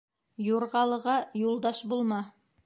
Юрғалыға юлдаш булма.